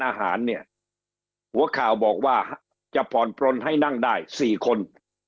อาหารเนี่ยหัวข่าวบอกว่าจะผ่อนปลนให้นั่งได้๔คน